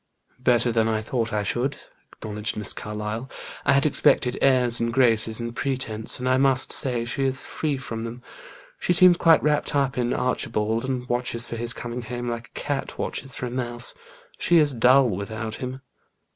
"Better than I thought I should," acknowledged Miss Carlyle. "I had expected airs and graces and pretence, and I must say she is free from them. She seems quite wrapped up in Archibald and watches for his coming home like a cat watches for a mouse. She is dull without him."